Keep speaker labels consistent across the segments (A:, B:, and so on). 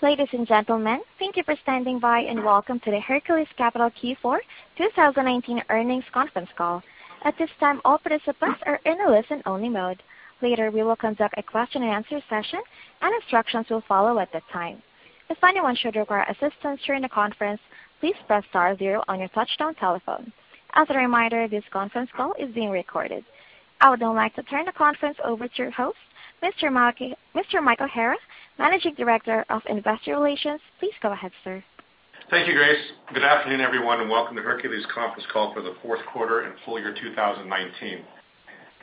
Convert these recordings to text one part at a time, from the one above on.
A: Ladies and gentlemen, thank you for standing by and welcome to the Hercules Capital Q4 2019 earnings conference call. At this time, all participants are in a listen-only mode. Later, we will conduct a question-and-answer session and instructions will follow at the time. If anyone should require assistance during the conference, please press star zero on your touch-tone telephone. As a reminder, this conference call is being recorded. I would now like to turn the conference over to your host, Mr. Michael Hara, Managing Director of Investor Relations. Please go ahead, sir.
B: Thank you, Grace. Good afternoon, everyone, and welcome to Hercules conference call for the fourth quarter and full year 2019.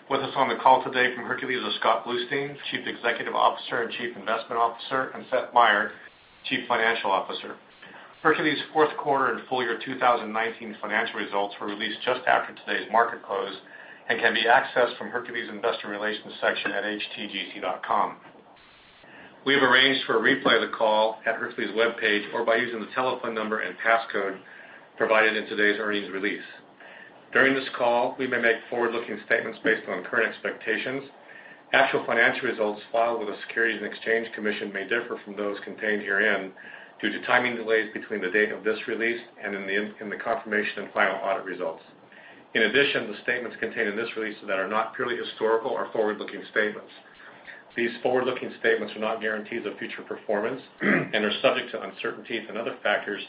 B: With us on the call today from Hercules is Scott Bluestein, Chief Executive Officer and Chief Investment Officer, and Seth Meyer, Chief Financial Officer. Hercules' fourth quarter and full year 2019 financial results were released just after today's market close and can be accessed from Hercules' Investor Relations section at htgc.com. We have arranged for a replay of the call at Hercules' webpage or by using the telephone number and passcode provided in today's earnings release. During this call, we may make forward-looking statements based on current expectations. Actual financial results filed with the Securities and Exchange Commission may differ from those contained herein due to timing delays between the date of this release and in the confirmation of final audit results. In addition, the statements contained in this release that are not purely historical or forward-looking statements. These forward-looking statements are not guarantees of future performance and are subject to uncertainties and other factors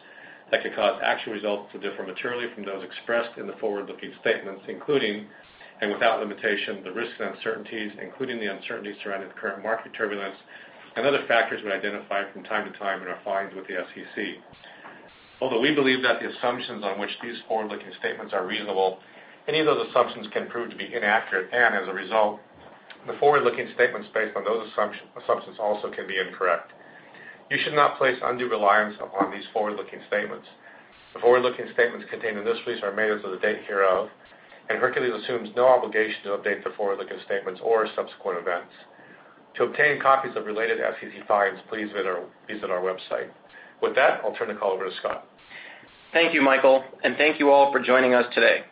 B: that could cause actual results to differ materially from those expressed in the forward-looking statements, including and without limitation, the risks and uncertainties, including the uncertainties surrounding the current market turbulence and other factors we identify from time to time in our filings with the SEC. Although we believe that the assumptions on which these forward-looking statements are reasonable, any of those assumptions can prove to be inaccurate, and as a result, the forward-looking statements based on those assumptions also can be incorrect. You should not place undue reliance upon these forward-looking statements. The forward-looking statements contained in this release are made as of the date hereof, and Hercules assumes no obligation to update the forward-looking statements or subsequent events. To obtain copies of related SEC filings, please visit our website. With that, I'll turn the call over to Scott.
C: Thank you, Michael, and thank you all for joining us today.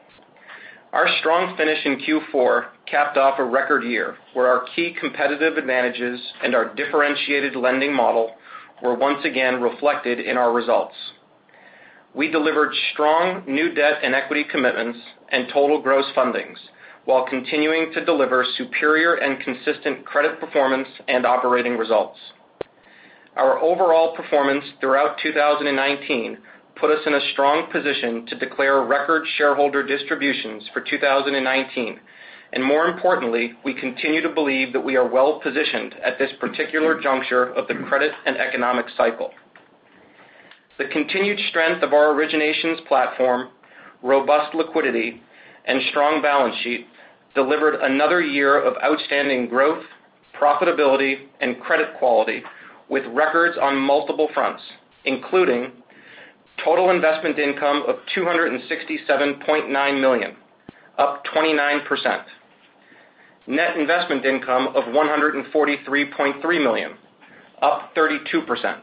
C: Our strong finish in Q4 capped off a record year where our key competitive advantages and our differentiated lending model were once again reflected in our results. We delivered strong new debt and equity commitments and total gross fundings while continuing to deliver superior and consistent credit performance and operating results. Our overall performance throughout 2019 put us in a strong position to declare record shareholder distributions for 2019. More importantly, we continue to believe that we are well-positioned at this particular juncture of the credit and economic cycle. The continued strength of our originations platform, robust liquidity, and strong balance sheet delivered another year of outstanding growth, profitability, and credit quality with records on multiple fronts, including total investment income of $267.9 million, up 29%. Net investment income of $143.3 million, up 32%.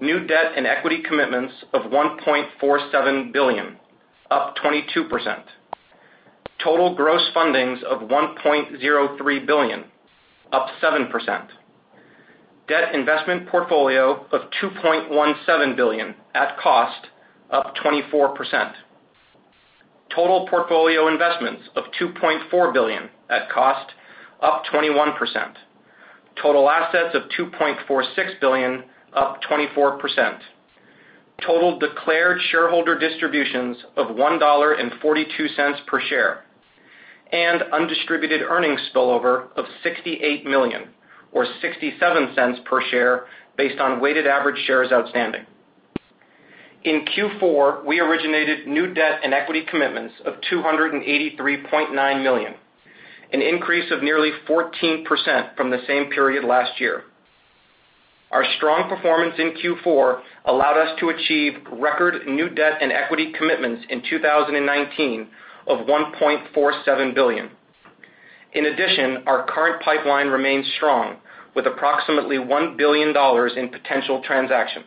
C: New debt and equity commitments of $1.47 billion, up 22%. Total gross fundings of $1.03 billion, up 7%. Debt investment portfolio of $2.17 billion at cost, up 24%. Total portfolio investments of $2.4 billion at cost, up 21%. Total assets of $2.46 billion, up 24%. Total declared shareholder distributions of $1.42 per share, and undistributed earnings spillover of $68 million or $0.67 per share based on weighted average shares outstanding. In Q4, we originated new debt and equity commitments of $283.9 million, an increase of nearly 14% from the same period last year. Our strong performance in Q4 allowed us to achieve record new debt and equity commitments in 2019 of $1.47 billion. In addition, our current pipeline remains strong with approximately $1 billion in potential transactions.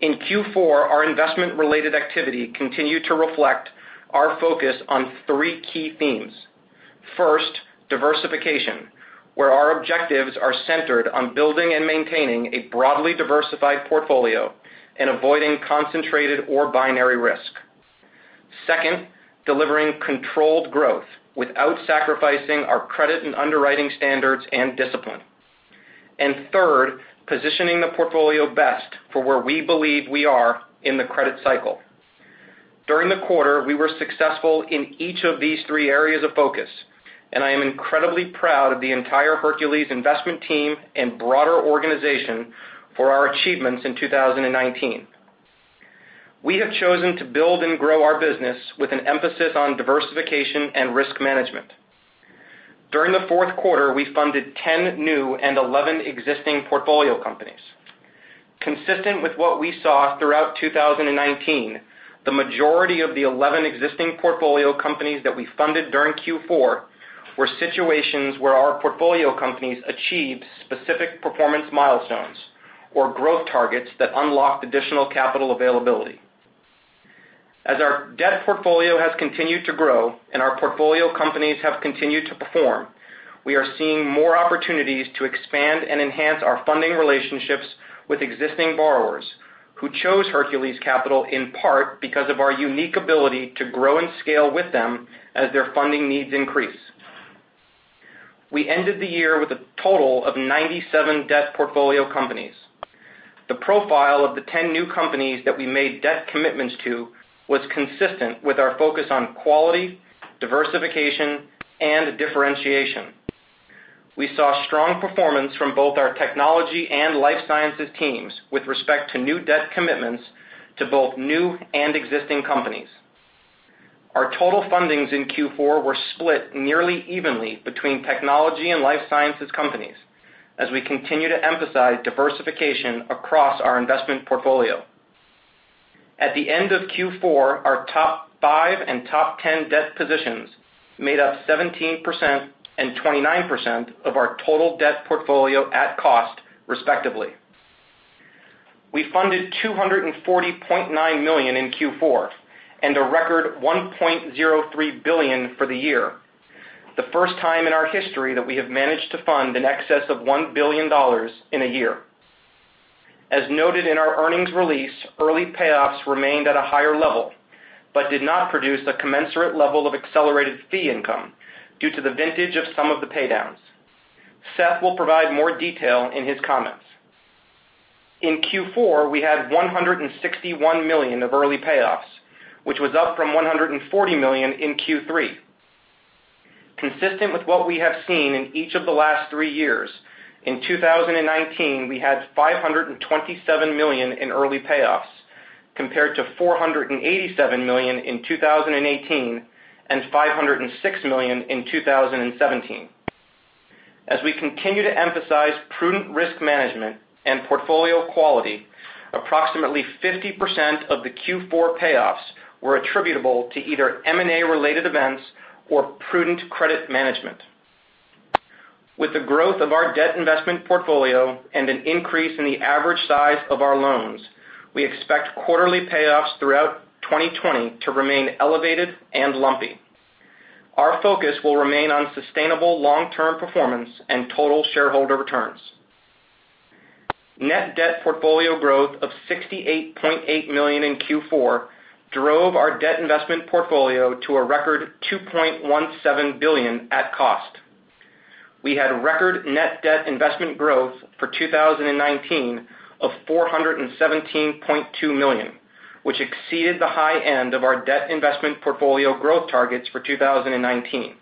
C: In Q4, our investment-related activity continued to reflect our focus on three key themes. First, diversification, where our objectives are centered on building and maintaining a broadly diversified portfolio and avoiding concentrated or binary risk. Second, delivering controlled growth without sacrificing our credit and underwriting standards and discipline. Third, positioning the portfolio best for where we believe we are in the credit cycle. During the quarter, we were successful in each of these three areas of focus, and I am incredibly proud of the entire Hercules investment team and broader organization for our achievements in 2019. We have chosen to build and grow our business with an emphasis on diversification and risk management. During the fourth quarter, we funded 10 new and 11 existing portfolio companies. Consistent with what we saw throughout 2019, the majority of the 11 existing portfolio companies that we funded during Q4 were situations where our portfolio companies achieved specific performance milestones or growth targets that unlocked additional capital availability. As our debt portfolio has continued to grow and our portfolio companies have continued to perform, we are seeing more opportunities to expand and enhance our funding relationships with existing borrowers who chose Hercules Capital in part because of our unique ability to grow and scale with them as their funding needs increase. We ended the year with a total of 97 debt portfolio companies. The profile of the 10 new companies that we made debt commitments to was consistent with our focus on quality, diversification, and differentiation. We saw strong performance from both our technology and life sciences teams with respect to new debt commitments to both new and existing companies. Our total fundings in Q4 were split nearly evenly between technology and life sciences companies as we continue to emphasize diversification across our investment portfolio. At the end of Q4, our top five and top 10 debt positions made up 17% and 29% of our total debt portfolio at cost, respectively. We funded $240.9 million in Q4 and a record $1.03 billion for the year, the first time in our history that we have managed to fund in excess of $1 billion in a year. As noted in our earnings release, early payoffs remained at a higher level but did not produce a commensurate level of accelerated fee income due to the vintage of some of the paydowns. Seth will provide more detail in his comments. In Q4, we had $161 million of early payoffs, which was up from $140 million in Q3. Consistent with what we have seen in each of the last three years, in 2019, we had $527 million in early payoffs, compared to $487 million in 2018 and $506 million in 2017. As we continue to emphasize prudent risk management and portfolio quality, approximately 50% of the Q4 payoffs were attributable to either M&A-related events or prudent credit management. With the growth of our debt investment portfolio and an increase in the average size of our loans, we expect quarterly payoffs throughout 2020 to remain elevated and lumpy. Our focus will remain on sustainable long-term performance and total shareholder returns. Net debt portfolio growth of $68.8 million in Q4 drove our debt investment portfolio to a record $2.17 billion at cost. We had record net debt investment growth for 2019 of $417.2 million, which exceeded the high end of our debt investment portfolio growth targets for 2019.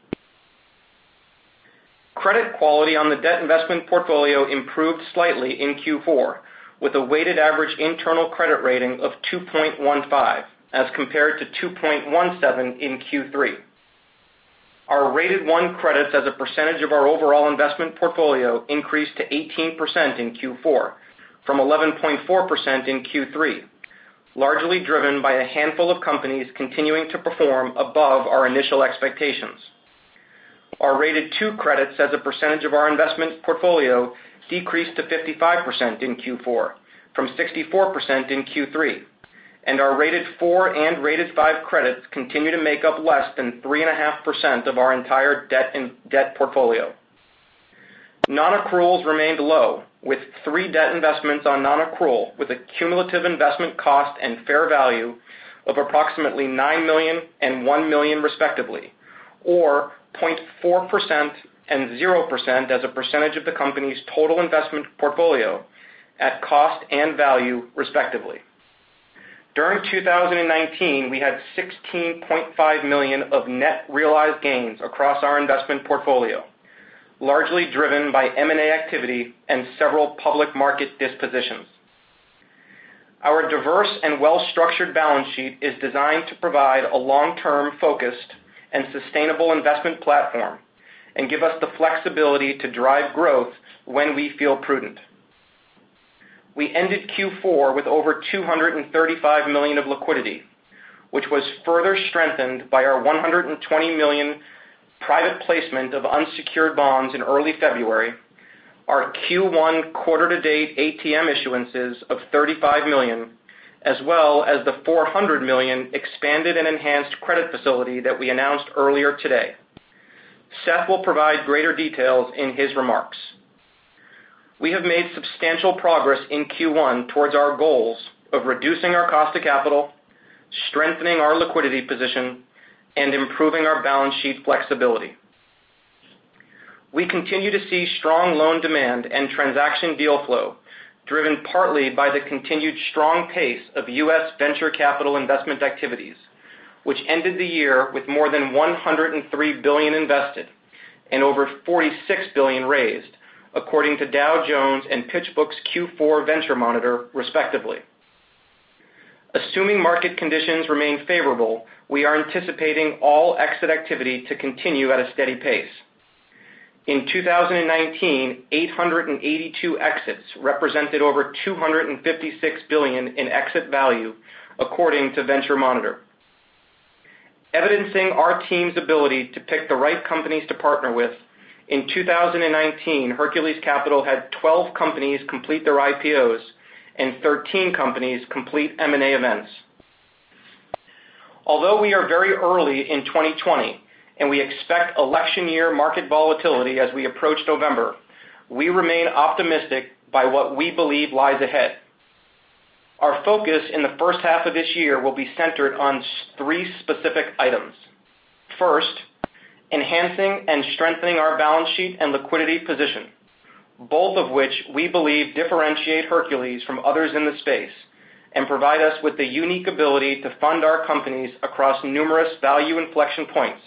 C: Credit quality on the debt investment portfolio improved slightly in Q4 with a weighted average internal credit rating of 2.15 as compared to 2.17 in Q3. Our rated one credits as a percentage of our overall investment portfolio increased to 18% in Q4 from 11.4% in Q3, largely driven by a handful of companies continuing to perform above our initial expectations. Our rated two credits as a percentage of our investment portfolio decreased to 55% in Q4 from 64% in Q3, and our rated four and rated five credits continue to make up less than 3.5% of our entire debt portfolio. Non-accruals remained low, with three debt investments on non-accrual with a cumulative investment cost and fair value of approximately $9 million and $1 million respectively, or 0.4% and 0% as a percentage of the company's total investment portfolio at cost and value, respectively. During 2019, we had $16.5 million of net realized gains across our investment portfolio, largely driven by M&A activity and several public market dispositions. Our diverse and well-structured balance sheet is designed to provide a long-term focused and sustainable investment platform and give us the flexibility to drive growth when we feel prudent. We ended Q4 with over $235 million of liquidity, which was further strengthened by our $120 million private placement of unsecured bonds in early February, our Q1 quarter-to-date ATM issuances of $35 million, as well as the $400 million expanded and enhanced credit facility that we announced earlier today. Seth will provide greater details in his remarks. We have made substantial progress in Q1 towards our goals of reducing our cost of capital, strengthening our liquidity position, and improving our balance sheet flexibility. We continue to see strong loan demand and transaction deal flow driven partly by the continued strong pace of U.S. venture capital investment activities, which ended the year with more than $103 billion invested and over $46 billion raised, according to Dow Jones' and PitchBook's Q4 Venture Monitor, respectively. Assuming market conditions remain favorable, we are anticipating all exit activity to continue at a steady pace. In 2019, 882 exits represented over $256 billion in exit value, according to Venture Monitor. Evidencing our team's ability to pick the right companies to partner with, in 2019, Hercules Capital had 12 companies complete their IPOs and 13 companies complete M&A events. Although we are very early in 2020, and we expect election year market volatility as we approach November, we remain optimistic by what we believe lies ahead. Our focus in the first half of this year will be centered on three specific items. First, enhancing and strengthening our balance sheet and liquidity position, both of which we believe differentiate Hercules from others in the space and provide us with the unique ability to fund our companies across numerous value inflection points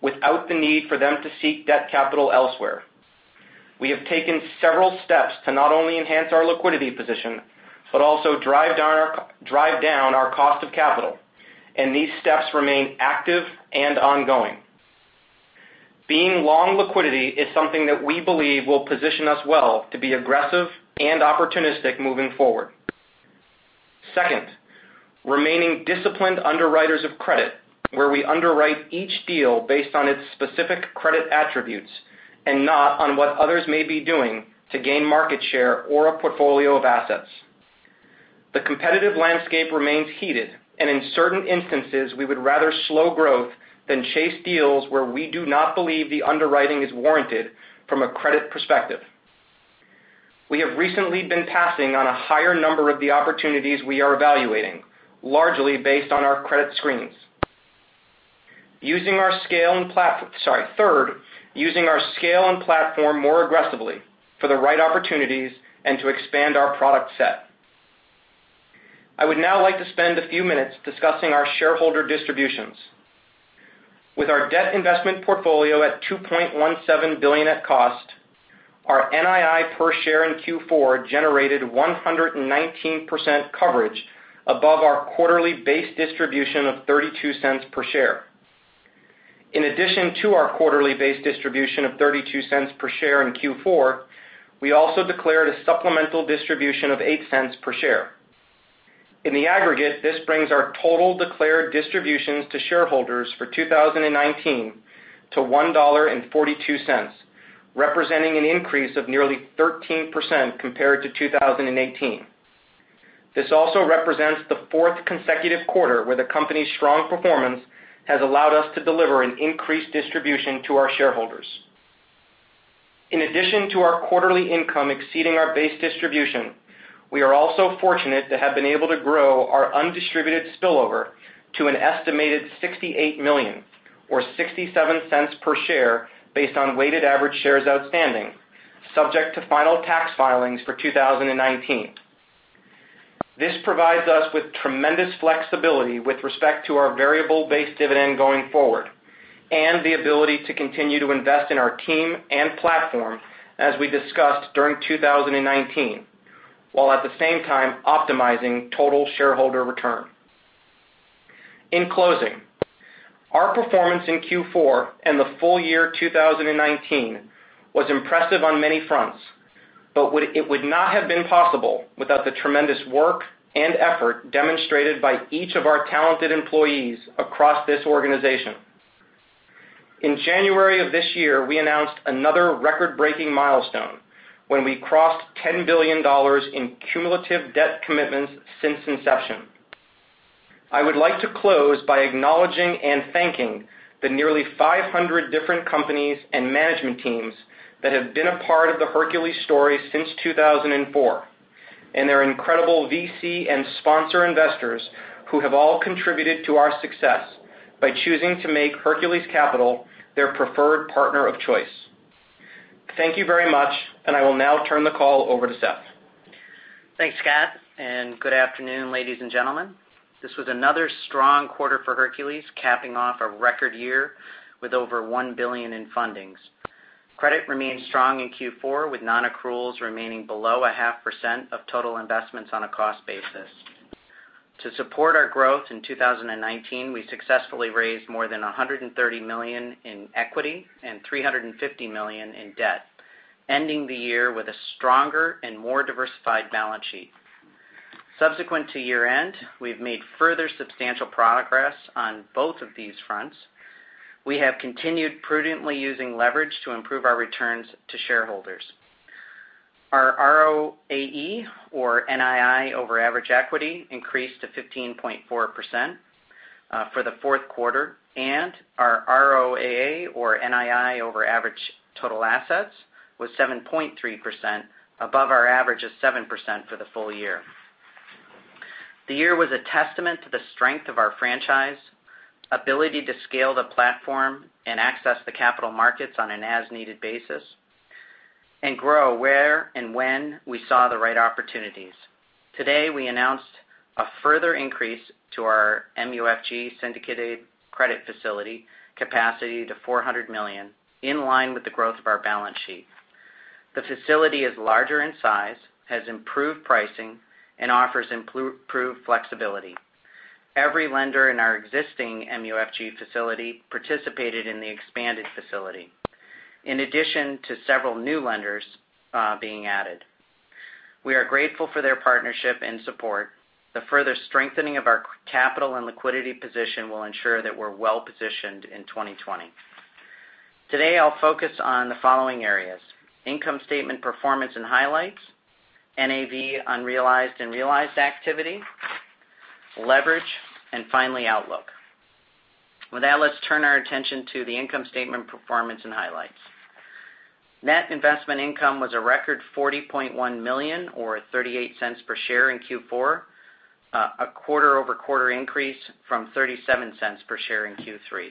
C: without the need for them to seek debt capital elsewhere. We have taken several steps to not only enhance our liquidity position but also drive down our cost of capital. These steps remain active and ongoing. Being long liquidity is something that we believe will position us well to be aggressive and opportunistic moving forward. Second, remaining disciplined underwriters of credit, where we underwrite each deal based on its specific credit attributes and not on what others may be doing to gain market share or a portfolio of assets. The competitive landscape remains heated, and in certain instances, we would rather slow growth than chase deals where we do not believe the underwriting is warranted from a credit perspective. We have recently been passing on a higher number of the opportunities we are evaluating, largely based on our credit screens. Third, using our scale and platform more aggressively for the right opportunities and to expand our product set. I would now like to spend a few minutes discussing our shareholder distributions. With our debt investment portfolio at $2.17 billion at cost, our NII per share in Q4 generated 119% coverage above our quarterly base distribution of $0.32 per share. In addition to our quarterly base distribution of $0.32 per share in Q4, we also declared a supplemental distribution of $0.08 per share. In the aggregate, this brings our total declared distributions to shareholders for 2019 to $1.42, representing an increase of nearly 13% compared to 2018. This also represents the fourth consecutive quarter where the company's strong performance has allowed us to deliver an increased distribution to our shareholders. In addition to our quarterly income exceeding our base distribution, we are also fortunate to have been able to grow our undistributed spillover to an estimated $68 million or $0.67 per share based on weighted average shares outstanding, subject to final tax filings for 2019. This provides us with tremendous flexibility with respect to our variable-based dividend going forward and the ability to continue to invest in our team and platform as we discussed during 2019, while at the same time optimizing total shareholder return. In closing, our performance in Q4 and the full year 2019 was impressive on many fronts. It would not have been possible without the tremendous work and effort demonstrated by each of our talented employees across this organization. In January of this year, we announced another record-breaking milestone when we crossed $10 billion in cumulative debt commitments since inception. I would like to close by acknowledging and thanking the nearly 500 different companies and management teams that have been a part of the Hercules story since 2004 and their incredible VC and sponsor investors who have all contributed to our success by choosing to make Hercules Capital their preferred partner of choice. Thank you very much, and I will now turn the call over to Seth.
D: Thanks, Scott. Good afternoon, ladies and gentlemen. This was another strong quarter for Hercules, capping off a record year with over $1 billion in fundings. Credit remained strong in Q4, with non-accruals remaining below a half percent of total investments on a cost basis. To support our growth in 2019, we successfully raised more than $130 million in equity and $350 million in debt, ending the year with a stronger and more diversified balance sheet. Subsequent to year-end, we've made further substantial progress on both of these fronts. We have continued prudently using leverage to improve our returns to shareholders. Our ROAE or NII over average equity increased to 15.4% for the fourth quarter, and our ROAA or NII over average total assets was 7.3%, above our average of 7% for the full year. The year was a testament to the strength of our franchise, ability to scale the platform and access the capital markets on an as-needed basis, and grow where and when we saw the right opportunities. Today, we announced a further increase to our MUFG syndicated credit facility capacity to $400 million, in line with the growth of our balance sheet. The facility is larger in size, has improved pricing, and offers improved flexibility. Every lender in our existing MUFG facility participated in the expanded facility, in addition to several new lenders being added. We are grateful for their partnership and support. The further strengthening of our capital and liquidity position will ensure that we're well-positioned in 2020. Today, I'll focus on the following areas, income statement performance and highlights, NAV unrealized and realized activity, leverage, and finally, outlook. With that, let's turn our attention to the income statement performance and highlights. Net investment income was a record $40.1 million, or $0.38 per share in Q4, a quarter-over-quarter increase from $0.37 per share in Q3.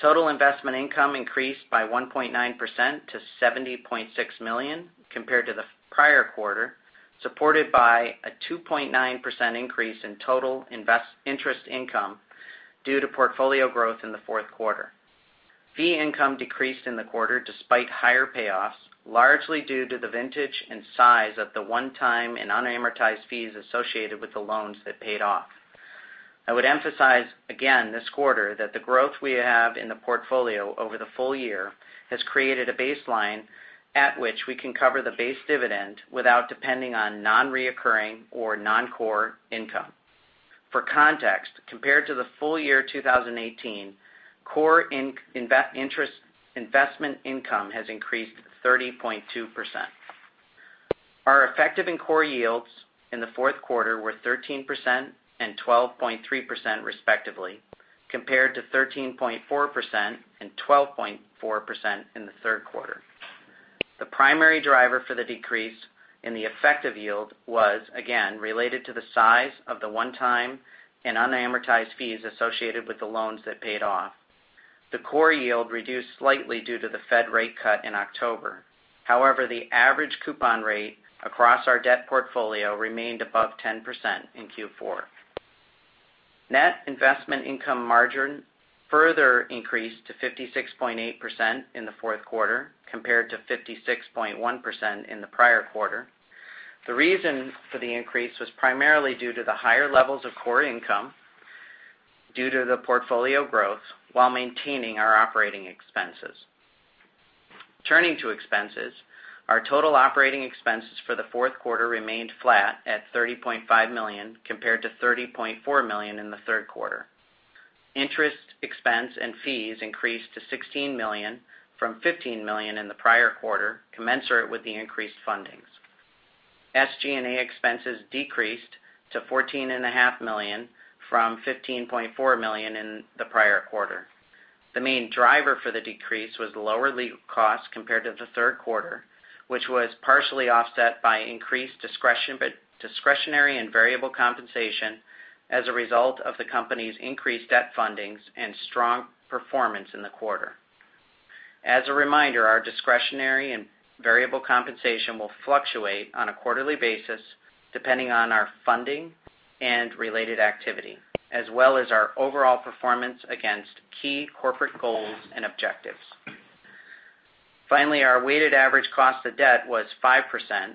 D: Total investment income increased by 1.9% to $70.6 million compared to the prior quarter, supported by a 2.9% increase in total interest income due to portfolio growth in the fourth quarter. Fee income decreased in the quarter despite higher payoffs, largely due to the vintage and size of the one-time and unamortized fees associated with the loans that paid off. I would emphasize again this quarter that the growth we have in the portfolio over the full year has created a baseline at which we can cover the base dividend without depending on non-recurring or non-core income. For context, compared to the full year 2018, core investment income has increased 30.2%. Our effective and core yields in the fourth quarter were 13% and 12.3%, respectively, compared to 13.4% and 12.4% in the third quarter. The primary driver for the decrease in the effective yield was, again, related to the size of the one-time and unamortized fees associated with the loans that paid off. The core yield reduced slightly due to the Fed rate cut in October. However, the average coupon rate across our debt portfolio remained above 10% in Q4. Net investment income margin further increased to 56.8% in the fourth quarter, compared to 56.1% in the prior quarter. The reason for the increase was primarily due to the higher levels of core income due to the portfolio growth while maintaining our operating expenses. Turning to expenses, our total operating expenses for the fourth quarter remained flat at $30.5 million, compared to $30.4 million in the third quarter. Interest expense and fees increased to $16 million from $15 million in the prior quarter, commensurate with the increased fundings. SG&A expenses decreased to $14.5 million from $15.4 million in the prior quarter. The main driver for the decrease was lower legal costs compared to the third quarter, which was partially offset by increased discretionary and variable compensation as a result of the company's increased debt fundings and strong performance in the quarter. As a reminder, our discretionary and variable compensation will fluctuate on a quarterly basis depending on our funding and related activity, as well as our overall performance against key corporate goals and objectives. Finally, our weighted average cost of debt was 5%,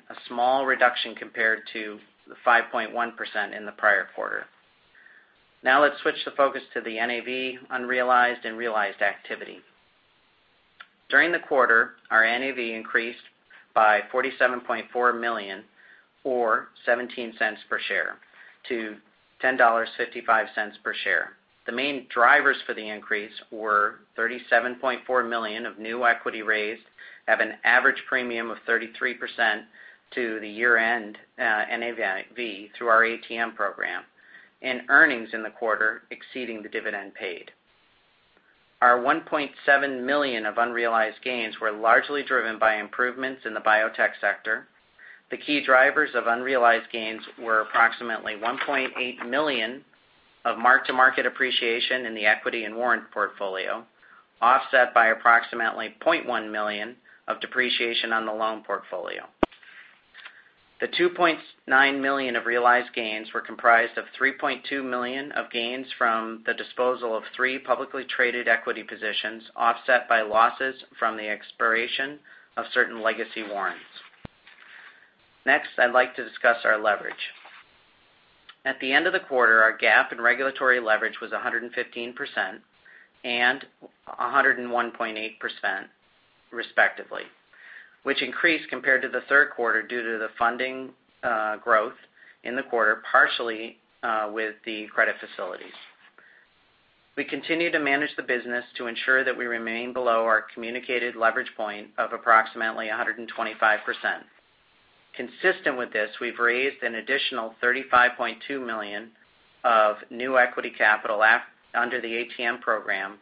D: a small reduction compared to the 5.1% in the prior quarter. Now let's switch the focus to the NAV unrealized and realized activity. During the quarter, our NAV increased by $47.4 million or $0.17 per share to $10.55 per share. The main drivers for the increase were $37.4 million of new equity raised at an average premium of 33% to the year-end NAV through our ATM program and earnings in the quarter exceeding the dividend paid. Our $1.7 million of unrealized gains were largely driven by improvements in the biotech sector. The key drivers of unrealized gains were approximately $1.8 million of mark-to-market appreciation in the equity and warrant portfolio, offset by approximately $0.1 million of depreciation on the loan portfolio. The $2.9 million of realized gains were comprised of $3.2 million of gains from the disposal of three publicly traded equity positions, offset by losses from the expiration of certain legacy warrants. Next, I'd like to discuss our leverage. At the end of the quarter, our GAAP in regulatory leverage was 115% and 101.8%, respectively, which increased compared to the third quarter due to the funding growth in the quarter, partially with the credit facilities. We continue to manage the business to ensure that we remain below our communicated leverage point of approximately 125%. Consistent with this, we've raised an additional $35.2 million of new equity capital under the ATM program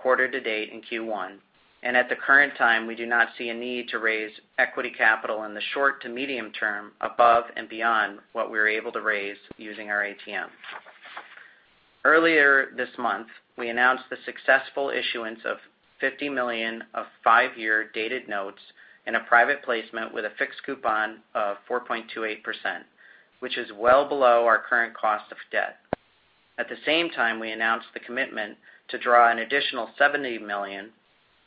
D: quarter-to-date in Q1. At the current time, we do not see a need to raise equity capital in the short to medium term above and beyond what we were able to raise using our ATM. Earlier this month, we announced the successful issuance of $50 million of five-year dated notes in a private placement with a fixed coupon of 4.28%, which is well below our current cost of debt. At the same time, we announced the commitment to draw an additional $70 million,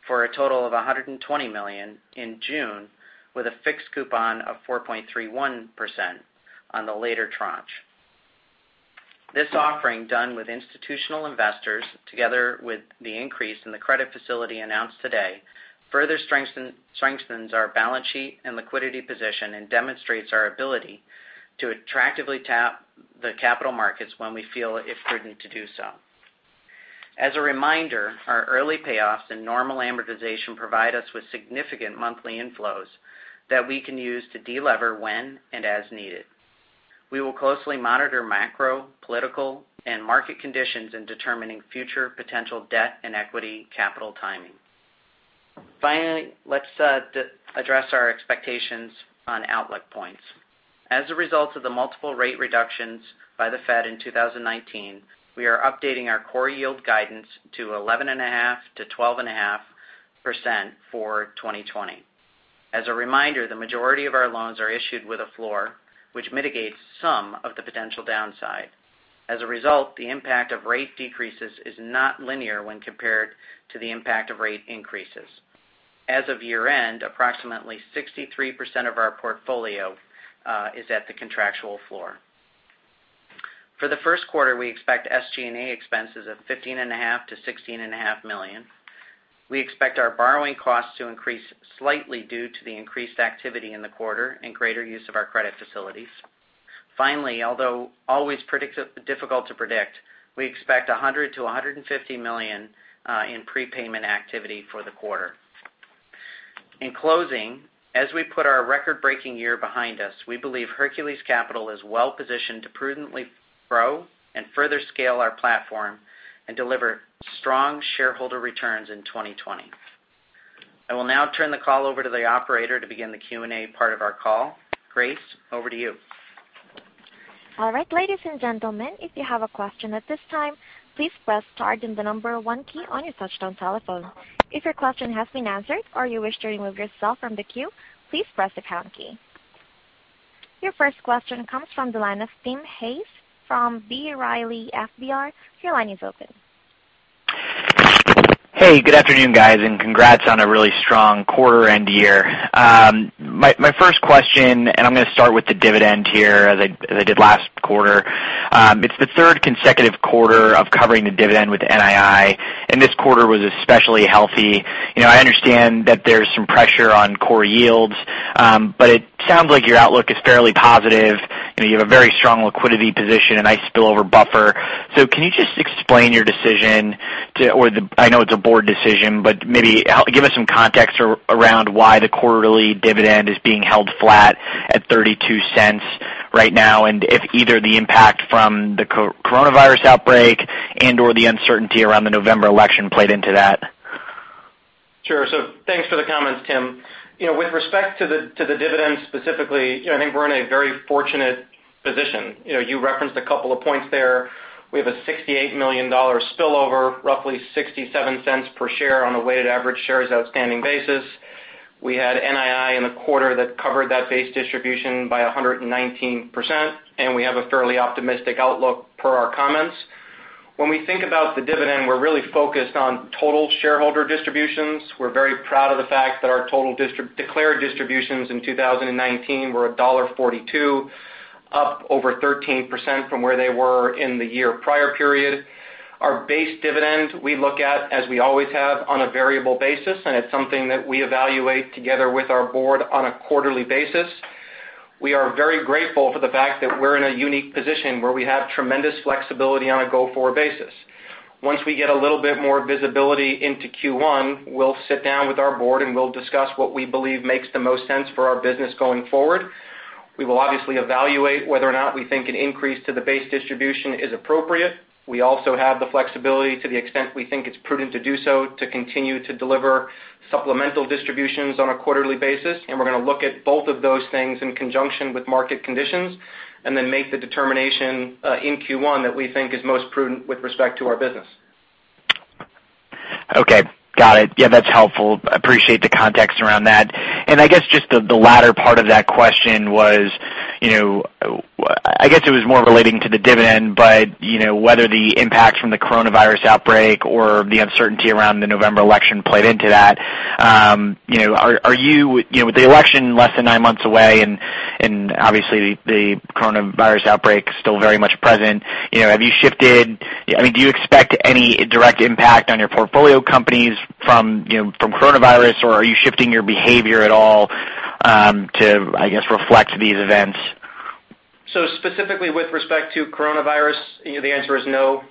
D: for a total of $120 million, in June, with a fixed coupon of 4.31% on the later tranche. This offering done with institutional investors, together with the increase in the credit facility announced today, further strengthens our balance sheet and liquidity position and demonstrates our ability to attractively tap the capital markets when we feel it prudent to do so. As a reminder, our early payoffs and normal amortization provide us with significant monthly inflows that we can use to de-lever when and as needed. We will closely monitor macro, political, and market conditions in determining future potential debt and equity capital timing. Finally, let's address our expectations on outlook points. As a result of the multiple rate reductions by the Fed in 2019, we are updating our core yield guidance to 11.5%-12.5% for 2020. As a reminder, the majority of our loans are issued with a floor, which mitigates some of the potential downside. As a result, the impact of rate decreases is not linear when compared to the impact of rate increases. As of year-end, approximately 63% of our portfolio is at the contractual floor. For the first quarter, we expect SG&A expenses of $15.5 million-$16.5 million. We expect our borrowing costs to increase slightly due to the increased activity in the quarter and greater use of our credit facilities. Finally, although always difficult to predict, we expect $100 million-$150 million in prepayment activity for the quarter. In closing, as we put our record-breaking year behind us, we believe Hercules Capital is well-positioned to prudently grow and further scale our platform and deliver strong shareholder returns in 2020. I will now turn the call over to the operator to begin the Q&A part of our call. Grace, over to you.
A: All right. Ladies and gentlemen, if you have a question at this time, please press star then the number one key on your touchtone telephone. If your question has been answered or you wish to remove yourself from the queue, please press the pound key. Your first question comes from the line of Timothy Hayes from B. Riley FBR. Your line is open.
E: Hey, good afternoon, guys, and congrats on a really strong quarter-end year. My first question, and I'm going to start with the dividend here as I did last quarter. It's the third consecutive quarter of covering the dividend with NII, and this quarter was especially healthy. I understand that there's some pressure on core yields, but it sounds like your outlook is fairly positive. You have a very strong liquidity position and nice spillover buffer. Can you just explain your decision or I know it's a board decision, but maybe give us some context around why the quarterly dividend is being held flat at $0.32 right now, and if either the impact from the coronavirus outbreak and/or the uncertainty around the November election played into that.
C: Sure. Thanks for the comments, Tim. With respect to the dividend specifically, I think we're in a very fortunate position. You referenced a couple of points there. We have a $68 million spillover, roughly $0.67 per share on a weighted average shares outstanding basis. We had NII in the quarter that covered that base distribution by 119%, and we have a fairly optimistic outlook per our comments. When we think about the dividend, we're really focused on total shareholder distributions. We're very proud of the fact that our total declared distributions in 2019 were $1.42, up over 13% from where they were in the year prior period. Our base dividend, we look at as we always have on a variable basis, and it's something that we evaluate together with our board on a quarterly basis. We are very grateful for the fact that we're in a unique position where we have tremendous flexibility on a go-forward basis. Once we get a little bit more visibility into Q1, we'll sit down with our board and we'll discuss what we believe makes the most sense for our business going forward. We will obviously evaluate whether or not we think an increase to the base distribution is appropriate. We also have the flexibility to the extent we think it's prudent to do so to continue to deliver supplemental distributions on a quarterly basis. We're going to look at both of those things in conjunction with market conditions and then make the determination in Q1 that we think is most prudent with respect to our business.
E: Okay. Got it. Yeah, that's helpful. Appreciate the context around that. I guess just the latter part of that question was, I guess it was more relating to the dividend, but whether the impact from the coronavirus outbreak or the uncertainty around the November election played into that. With the election less than nine months away and obviously the coronavirus outbreak still very much present, do you expect any direct impact on your portfolio companies from coronavirus, or are you shifting your behavior at all to, I guess, reflect these events?
C: Specifically with respect to coronavirus, the answer is no.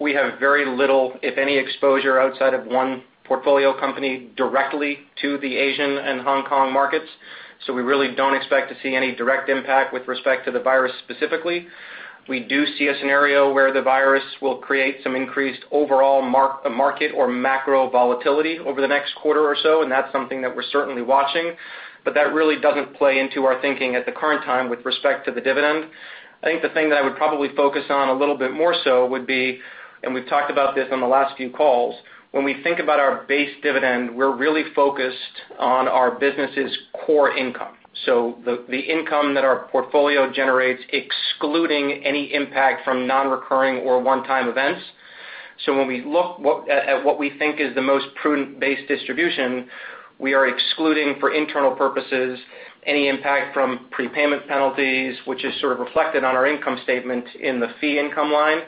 C: We have very little, if any, exposure outside of one portfolio company directly to the Asian and Hong Kong markets. We really don't expect to see any direct impact with respect to the virus specifically. We do see a scenario where the virus will create some increased overall market or macro volatility over the next quarter or so, and that's something that we're certainly watching. That really doesn't play into our thinking at the current time with respect to the dividend. I think the thing that I would probably focus on a little bit more so would be, and we've talked about this on the last few calls, when we think about our base dividend, we're really focused on our business' core income. The income that our portfolio generates, excluding any impact from non-recurring or one-time events. When we look at what we think is the most prudent base distribution, we are excluding, for internal purposes, any impact from prepayment penalties, which is sort of reflected on our income statement in the fee income line.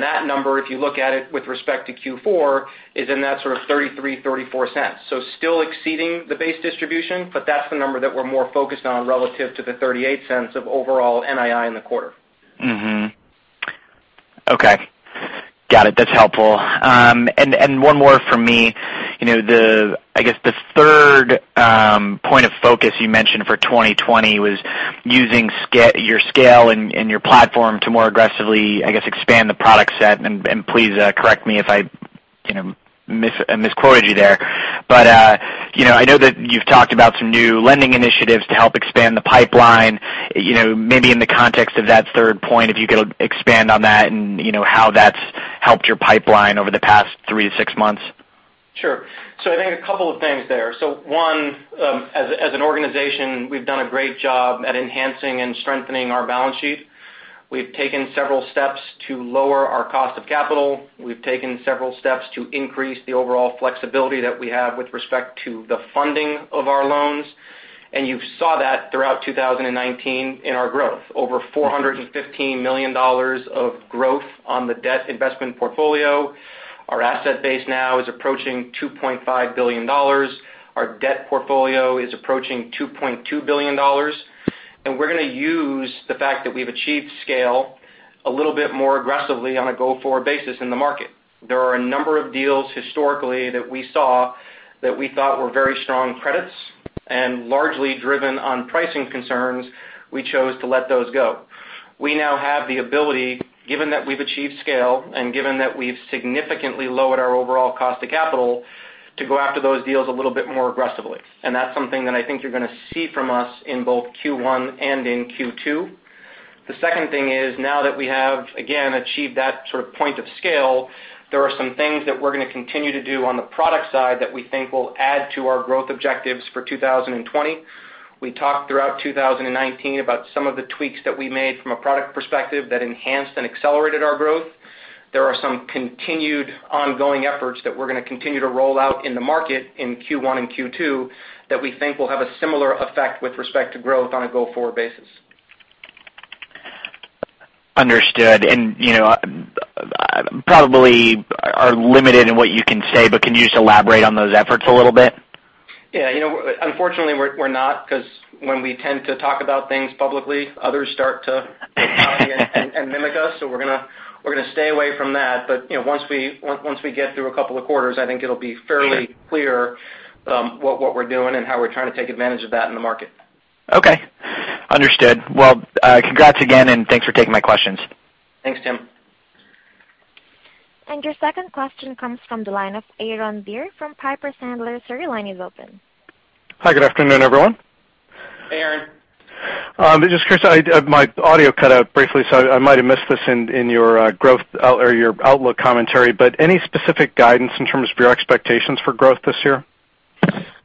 C: That number, if you look at it with respect to Q4, is in that sort of $0.33, $0.34. Still exceeding the base distribution, but that's the number that we're more focused on relative to the $0.38 of overall NII in the quarter.
E: Okay. Got it. That's helpful. One more from me. I guess the third point of focus you mentioned for 2020 was using your scale and your platform to more aggressively, I guess, expand the product set, and please correct me if I misquoted you there. I know that you've talked about some new lending initiatives to help expand the pipeline. Maybe in the context of that third point, if you could expand on that and how that's helped your pipeline over the past three to six months.
C: Sure. I think a couple of things there. One, as an organization, we've done a great job at enhancing and strengthening our balance sheet. We've taken several steps to lower our cost of capital. We've taken several steps to increase the overall flexibility that we have with respect to the funding of our loans. You saw that throughout 2019 in our growth. Over $415 million of growth on the debt investment portfolio. Our asset base now is approaching $2.5 billion. Our debt portfolio is approaching $2.2 billion. We're going to use the fact that we've achieved scale a little bit more aggressively on a go-forward basis in the market. There are a number of deals historically that we saw that we thought were very strong credits, and largely driven on pricing concerns, we chose to let those go. We now have the ability, given that we've achieved scale and given that we've significantly lowered our overall cost of capital, to go after those deals a little bit more aggressively. That's something that I think you're going to see from us in both Q1 and in Q2. The second thing is, now that we have, again, achieved that sort of point of scale, there are some things that we're going to continue to do on the product side that we think will add to our growth objectives for 2020. We talked throughout 2019 about some of the tweaks that we made from a product perspective that enhanced and accelerated our growth. There are some continued ongoing efforts that we're going to continue to roll out in the market in Q1 and Q2 that we think will have a similar effect with respect to growth on a go-forward basis.
E: Understood. Probably are limited in what you can say, but can you just elaborate on those efforts a little bit?
C: Yeah. Unfortunately, we're not, because when we tend to talk about things publicly, others start to copy and mimic us. We're going to stay away from that. Once we get through a couple of quarters, I think it'll be fairly clear what we're doing and how we're trying to take advantage of that in the market.
E: Okay. Understood. Well, congrats again, and thanks for taking my questions.
C: Thanks, Tim.
A: Your second question comes from the line of Aaron Deer from Piper Sandler. Sir, your line is open.
F: Hi. Good afternoon, everyone.
C: Hey, Aaron.
F: Just curious, my audio cut out briefly, so I might have missed this in your outlook commentary. Any specific guidance in terms of your expectations for growth this year?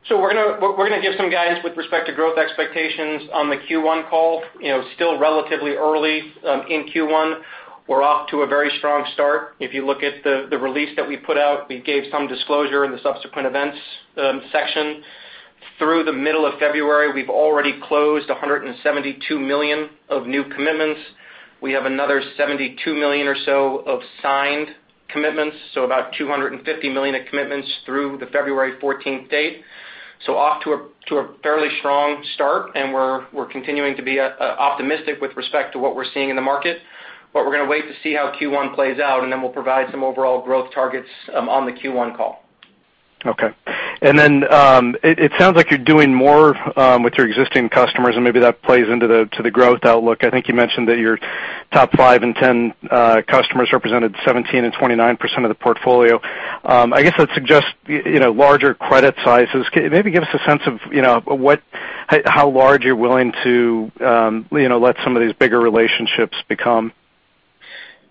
C: We're going to give some guidance with respect to growth expectations on the Q1 call. Still relatively early in Q1. We're off to a very strong start. If you look at the release that we put out, we gave some disclosure in the subsequent events section. Through the middle of February, we've already closed $172 million of new commitments. We have another $72 million or so of signed commitments, so about $250 million of commitments through the February 14th date. Off to a fairly strong start, and we're continuing to be optimistic with respect to what we're seeing in the market. We're going to wait to see how Q1 plays out, and then we'll provide some overall growth targets on the Q1 call.
F: Okay. It sounds like you're doing more with your existing customers, and maybe that plays into the growth outlook. I think you mentioned that your top five and 10 customers represented 17% and 29% of the portfolio. I guess that suggests larger credit sizes. Can you maybe give us a sense of how large you're willing to let some of these bigger relationships become?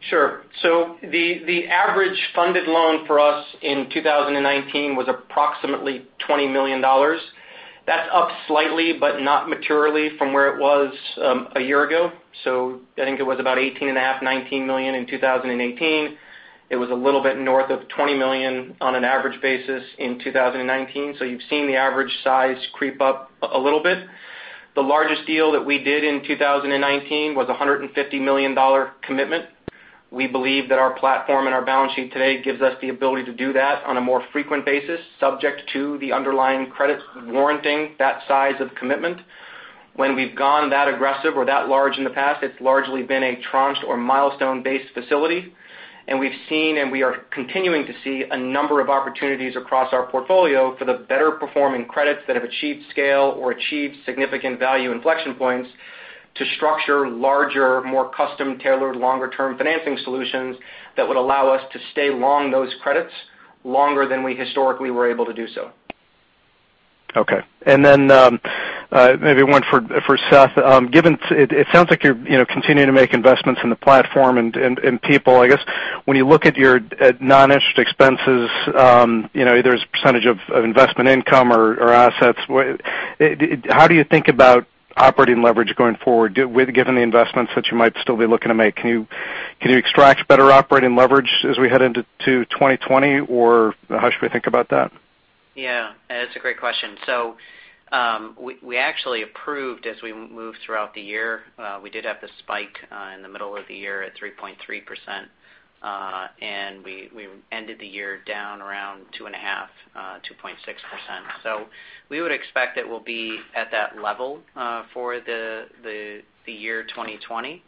C: Sure. The average funded loan for us in 2019 was approximately $20 million. That's up slightly, but not materially from where it was a year ago. I think it was about $18.5 million, $19 million in 2018. It was a little bit north of $20 million on an average basis in 2019. You've seen the average size creep up a little bit. The largest deal that we did in 2019 was a $150 million commitment. We believe that our platform and our balance sheet today gives us the ability to do that on a more frequent basis, subject to the underlying credits warranting that size of commitment. When we've gone that aggressive or that large in the past, it's largely been a tranched or milestone-based facility. We've seen, and we are continuing to see a number of opportunities across our portfolio for the better-performing credits that have achieved scale or achieved significant value inflection points to structure larger, more custom-tailored, longer-term financing solutions that would allow us to stay long those credits longer than we historically were able to do so.
F: Okay. Then, maybe one for Seth. It sounds like you're continuing to make investments in the platform and people. I guess, when you look at your non-interest expenses, either as a percentage of investment income or assets, how do you think about operating leverage going forward. Given the investments that you might still be looking to make, can you extract better operating leverage as we head into 2020? How should we think about that?
D: Yeah. That's a great question. We actually approved as we moved throughout the year. We did have the spike in the middle of the year at 3.3%, and we ended the year down around 2.5%, 2.6%. We would expect it will be at that level for the year 2020.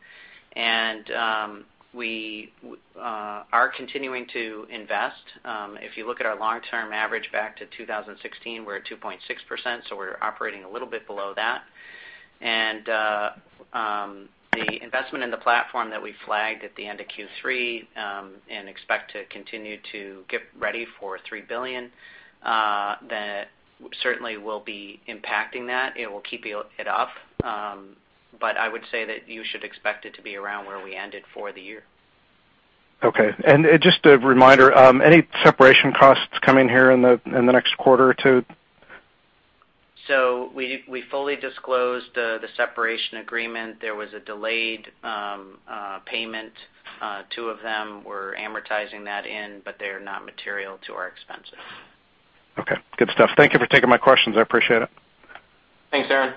D: We are continuing to invest. If you look at our long-term average back to 2016, we're at 2.6%, so we're operating a little bit below that. The investment in the platform that we flagged at the end of Q3, and expect to continue to get ready for $3 billion, that certainly will be impacting that. It will keep it up. I would say that you should expect it to be around where we ended for the year.
F: Okay. Just a reminder, any separation costs coming here in the next quarter or two?
D: We fully disclosed the separation agreement. There was a delayed payment. Two of them we're amortizing that in, but they are not material to our expenses.
F: Okay. Good stuff. Thank you for taking my questions. I appreciate it.
D: Thanks, Aaron.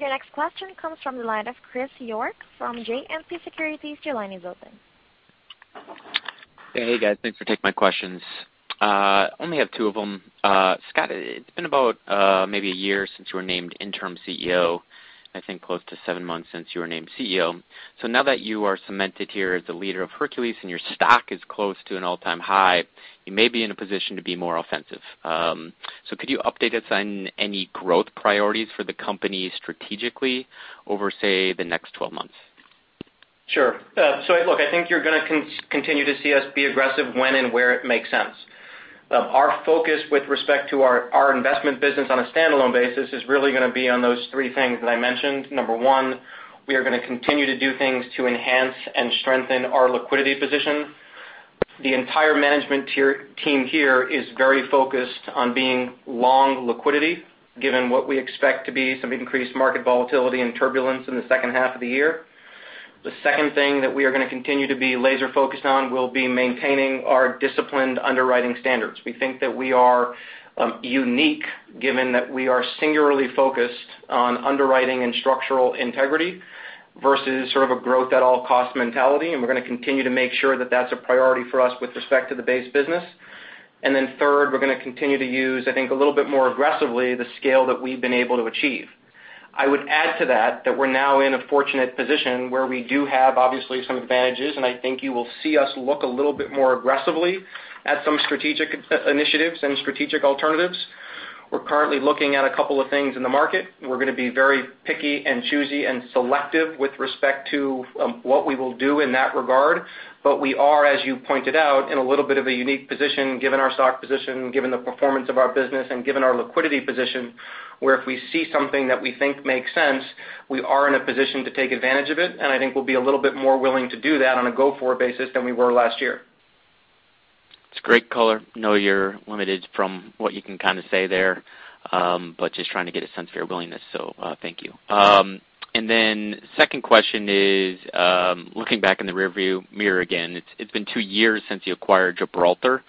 A: Your next question comes from the line of Christopher York from JMP Securities. Your line is open.
G: Hey, guys. Thanks for taking my questions. Only have two of them. Scott, it's been about maybe a year since you were named interim CEO, I think close to seven months since you were named CEO. Now that you are cemented here as the leader of Hercules and your stock is close to an all-time high, you may be in a position to be more offensive. Could you update us on any growth priorities for the company strategically over, say, the next 12 months?
C: Sure. Look, I think you're going to continue to see us be aggressive when and where it makes sense. Our focus with respect to our investment business on a standalone basis is really going to be on those three things that I mentioned. Number one, we are going to continue to do things to enhance and strengthen our liquidity position. The entire management team here is very focused on being long liquidity, given what we expect to be some increased market volatility and turbulence in the second half of the year. The second thing that we are going to continue to be laser-focused on will be maintaining our disciplined underwriting standards. We think that we are unique given that we are singularly focused on underwriting and structural integrity versus sort of a growth at all cost mentality, and we're going to continue to make sure that that's a priority for us with respect to the base business. Third, we're going to continue to use, I think, a little bit more aggressively, the scale that we've been able to achieve. I would add to that we're now in a fortunate position where we do have obviously some advantages, and I think you will see us look a little bit more aggressively at some strategic initiatives and strategic alternatives. We're currently looking at a couple of things in the market, and we're going to be very picky and choosy and selective with respect to what we will do in that regard. We are, as you pointed out, in a little bit of a unique position given our stock position, given the performance of our business, and given our liquidity position, where if we see something that we think makes sense, we are in a position to take advantage of it. I think we'll be a little bit more willing to do that on a go-forward basis than we were last year.
G: That's great color. I know you're limited from what you can kind of say there, but just trying to get a sense of your willingness. Thank you. Second question is, looking back in the rearview mirror again, it's been two years since you acquired Gibraltar,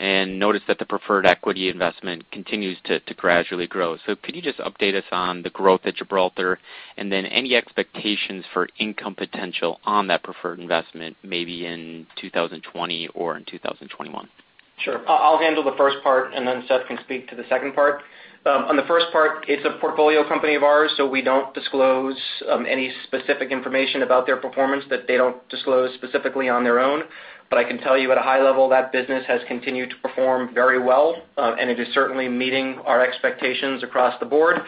G: and noticed that the preferred equity investment continues to gradually grow. Could you just update us on the growth at Gibraltar, and then any expectations for income potential on that preferred investment, maybe in 2020 or in 2021?
C: Sure. I'll handle the first part, then Seth can speak to the second part. On the first part, it's a portfolio company of ours, we don't disclose any specific information about their performance that they don't disclose specifically on their own. I can tell you at a high level, that business has continued to perform very well, and it is certainly meeting our expectations across the board.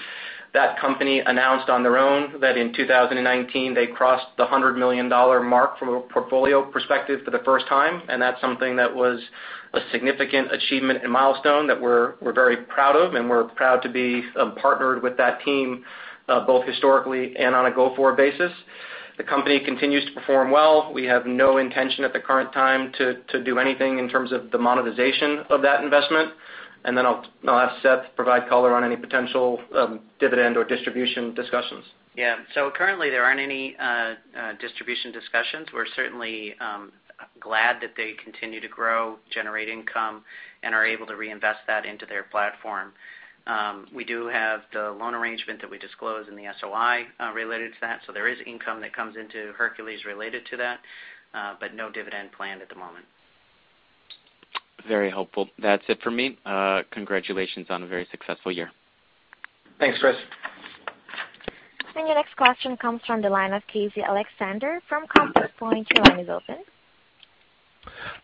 C: That company announced on their own that in 2019 they crossed the $100 million mark from a portfolio perspective for the first time, and that's something that was a significant achievement and milestone that we're very proud of, and we're proud to be partnered with that team, both historically and on a go-forward basis. The company continues to perform well. We have no intention at the current time to do anything in terms of the monetization of that investment. I'll ask Seth to provide color on any potential dividend or distribution discussions.
D: Currently there aren't any distribution discussions. We're certainly glad that they continue to grow, generate income, and are able to reinvest that into their platform. We do have the loan arrangement that we disclosed in the SOI related to that. There is income that comes into Hercules related to that. No dividend planned at the moment.
G: Very helpful. That's it for me. Congratulations on a very successful year.
C: Thanks, Chris.
A: Your next question comes from the line of Casey Alexander from Compass Point. Your line is open.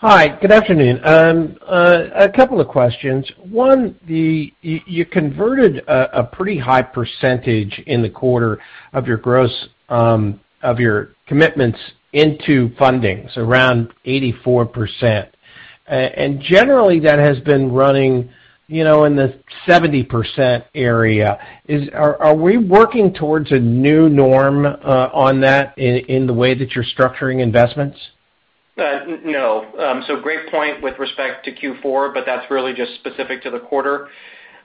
H: Hi, good afternoon. A couple of questions. One, you converted a pretty high percentage in the quarter of your gross of your commitments into fundings, around 84%. Generally, that has been running in the 70% area. Are we working towards a new norm on that in the way that you're structuring investments?
C: No. Great point with respect to Q4, but that's really just specific to the quarter.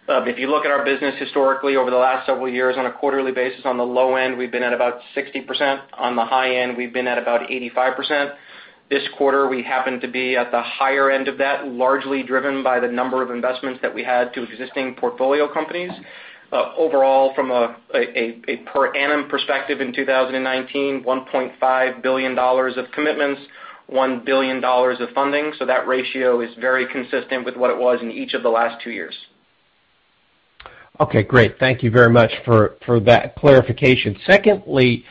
C: If you look at our business historically over the last several years on a quarterly basis, on the low end, we've been at about 60%. On the high end, we've been at about 85%. This quarter, we happen to be at the higher end of that, largely driven by the number of investments that we had to existing portfolio companies. Overall, from a per annum perspective in 2019, $1.5 billion of commitments, $1 billion of funding. That ratio is very consistent with what it was in each of the last two years.
H: Okay, great. Thank you very much for that clarification. Secondly,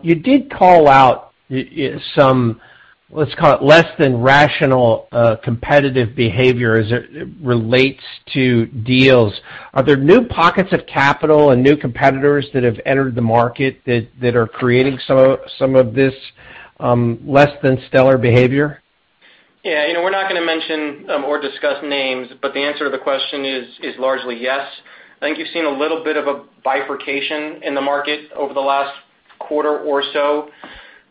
H: you did call out some, let's call it less than rational, competitive behavior as it relates to deals. Are there new pockets of capital and new competitors that have entered the market that are creating some of this less than stellar behavior?
C: Yeah. We're not going to mention or discuss names, but the answer to the question is largely yes. I think you've seen a little bit of a bifurcation in the market over the last quarter or so.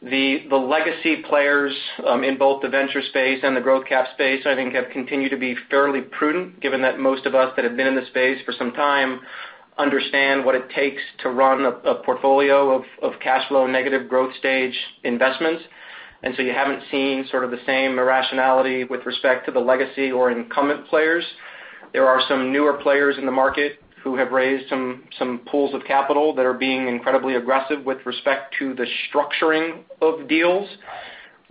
C: The legacy players in both the venture space and the growth cap space, I think, have continued to be fairly prudent, given that most of us that have been in this space for some time understand what it takes to run a portfolio of cash flow negative growth stage investments. You haven't seen sort of the same irrationality with respect to the legacy or incumbent players. There are some newer players in the market who have raised some pools of capital that are being incredibly aggressive with respect to the structuring of deals.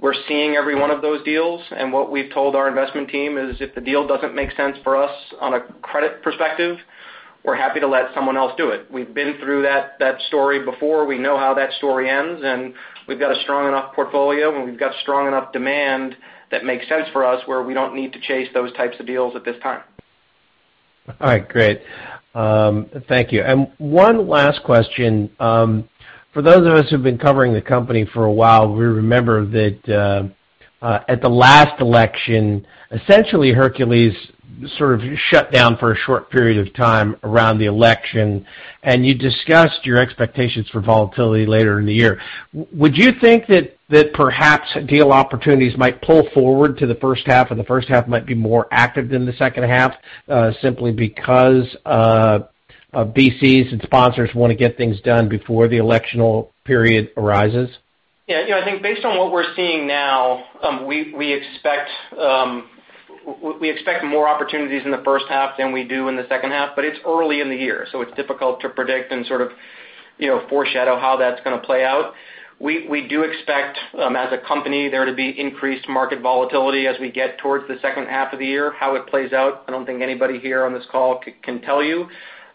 C: We're seeing every one of those deals, and what we've told our investment team is if the deal doesn't make sense for us on a credit perspective, we're happy to let someone else do it. We've been through that story before. We know how that story ends, and we've got a strong enough portfolio, and we've got strong enough demand that makes sense for us, where we don't need to chase those types of deals at this time.
H: All right. Great. Thank you. One last question. For those of us who've been covering the company for a while, we remember that at the last election, essentially Hercules sort of shut down for a short period of time around the election, and you discussed your expectations for volatility later in the year. Would you think that perhaps deal opportunities might pull forward to the first half, and the first half might be more active than the second half, simply because of VCs and sponsors want to get things done before the election period arises?
C: Yeah. I think based on what we're seeing now, we expect more opportunities in the first half than we do in the second half, but it's early in the year, so it's difficult to predict and foreshadow how that's going to play out. We do expect, as a company, there to be increased market volatility as we get towards the second half of the year. How it plays out, I don't think anybody here on this call can tell you,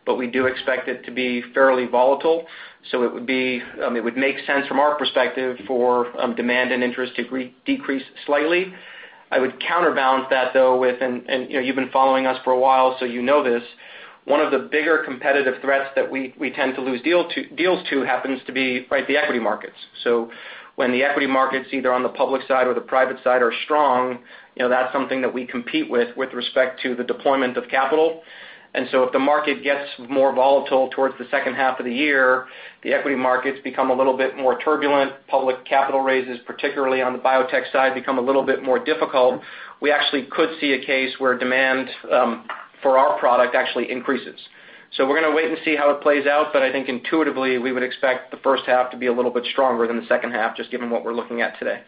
C: but we do expect it to be fairly volatile. It would make sense from our perspective for demand and interest to decrease slightly. I would counterbalance that, though, with, and you've been following us for a while, so you know this, one of the bigger competitive threats that we tend to lose deals to happens to be the equity markets. When the equity markets, either on the public side or the private side, are strong, that's something that we compete with respect to the deployment of capital. If the market gets more volatile towards the second half of the year, the equity markets become a little bit more turbulent. Public capital raises, particularly on the biotech side, become a little bit more difficult. We actually could see a case where demand for our product actually increases. We're going to wait and see how it plays out, but I think intuitively, we would expect the first half to be a little bit stronger than the second half, just given what we're looking at today.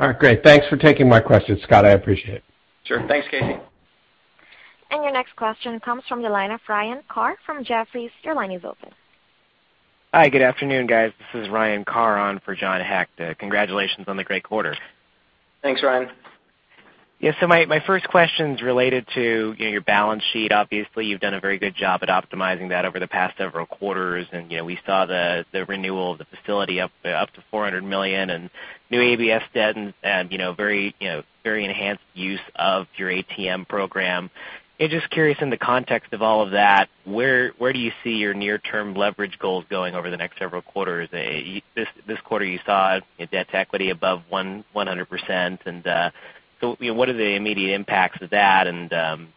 H: All right. Great. Thanks for taking my questions, Scott. I appreciate it.
C: Sure. Thanks, Casey.
A: Your next question comes from the line of Ryan Carr from Jefferies. Your line is open.
I: Hi, good afternoon, guys. This is Ryan Carr on for John Hecht. Congratulations on the great quarter.
C: Thanks, Ryan.
I: My first question's related to your balance sheet. Obviously, you've done a very good job at optimizing that over the past several quarters, and we saw the renewal of the facility up to $400 million and new ABF debt and very enhanced use of your ATM program. Just curious in the context of all of that, where do you see your near-term leverage goals going over the next several quarters? This quarter, you saw debt to equity above 100%, what are the immediate impacts of that and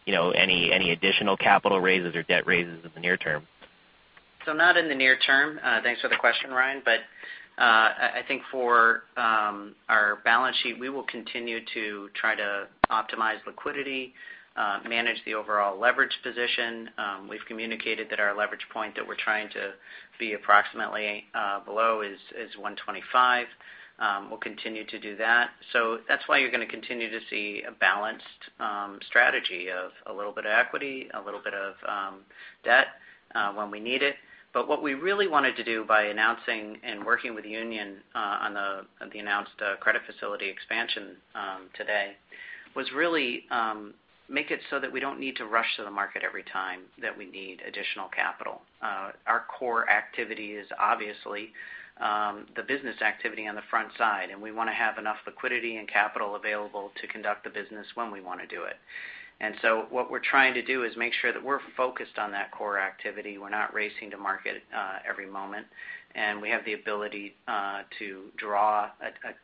I: any additional capital raises or debt raises in the near term?
C: Not in the near term. Thanks for the question, Ryan. I think for our balance sheet, we will continue to try to optimize liquidity, manage the overall leverage position. We've communicated that our leverage point that we're trying to be approximately below is 125. We'll continue to do that. That's why you're going to continue to see a balanced strategy of a little bit of equity, a little bit of debt when we need it. What we really wanted to do by announcing and working with Union on the announced credit facility expansion today was really make it so that we don't need to rush to the market every time that we need additional capital. Our core activity is obviously the business activity on the front side, and we want to have enough liquidity and capital available to conduct the business when we want to do it. What we're trying to do is make sure that we're focused on that core activity. We're not racing to market every moment, and we have the ability to draw